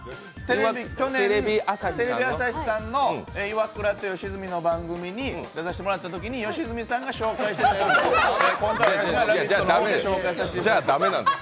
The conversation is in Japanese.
テレビ朝日さんの「イワクラと吉住の番組」に出させてもらったときに吉住さんが紹介してくれていて今回は私が「ラヴィット！」の方で紹介させていただきます。